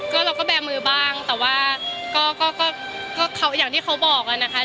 ก็เราก็แบร์มือบ้างแต่ว่าก็ก็อย่างที่เขาบอกอะนะคะ